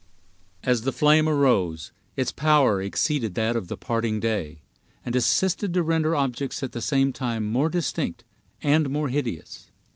As the flame arose, its power exceeded that of the parting day, and assisted to render objects at the same time more distinct and more hideous.